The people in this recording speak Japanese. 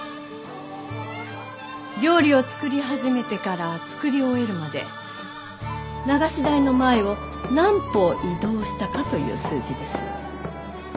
料理を作り始めてから作り終えるまで流し台の前を何歩移動したかという数字です。